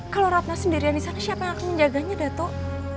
kalau ratna sendirian disana siapa yang akan menjaganya datuk